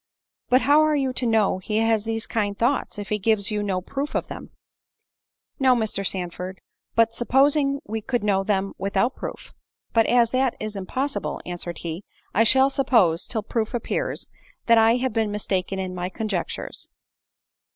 "But how are you to know he has these kind thoughts, if he gives you no proof of them?" "No, Mr. Sandford; but supposing we could know them without proof." "But as that is impossible," answered he, "I shall suppose, till proof appears, that I have been mistaken in my conjectures."